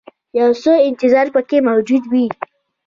یو څه انتظار پکې موجود وي.